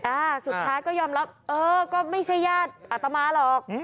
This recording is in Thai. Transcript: อ่าสุดท้ายก็ยอมรับเออก็ไม่ใช่ญาติอัตมาหรอก